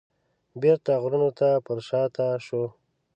بیرته غرونو ته پرشاته شو.